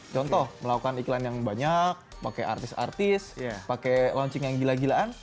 contoh melakukan iklan yang banyak pakai artis artis pakai launching yang gila gilaan